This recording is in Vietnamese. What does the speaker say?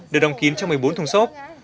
được đồng kiến trong một mươi bốn thùng xốp